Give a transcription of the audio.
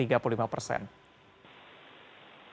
kami belum mengetahui